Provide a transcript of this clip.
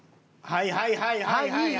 はいはいはいはい。